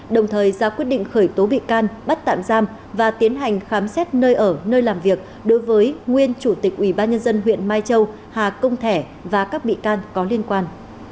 đồng thời ra quyết định khởi tố bị can bắt tạm giam và tiến hành khám xét nơi ở nơi làm việc đối với nguyên chủ tịch ubnd huyện mai châu hà công thẻ và các bị can có liên quan